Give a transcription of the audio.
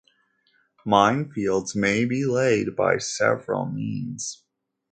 Minefields may be laid by several means.